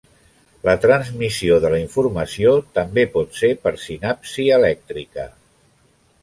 La transmissió de la informació també pot ser per sinapsi elèctrica.